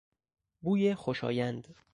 بوی خوشایند